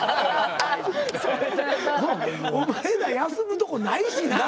もうお前ら休むとこないしな。